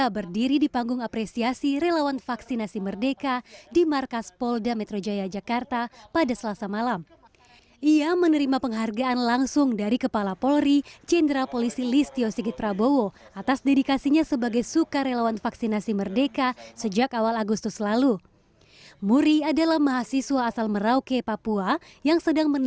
boleh sekali kita berikan tepung